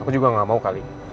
aku juga gak mau kali